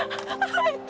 入った！